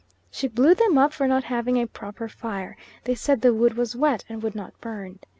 She blew them up for not having a proper fire; they said the wood was wet, and would not burn.